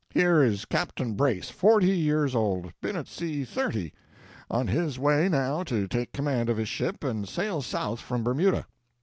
Here is Captain Brace, forty years old, been at sea thirty. On his way now to take command of his ship and sail south from Bermuda.